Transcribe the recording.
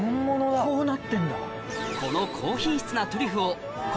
こうなってんだ。